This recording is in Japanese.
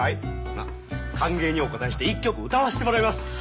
歓迎にお応えして一曲歌わせてもらいます。